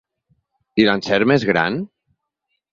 I l’encert més gran?